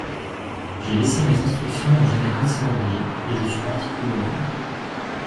J'ai laissé mes instructions au général Serrurier, et je suis parti pour Bologne.